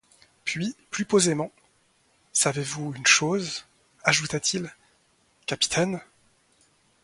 Puis, plus posément: « Savez-vous une chose, ajouta-t-il, capitaine?...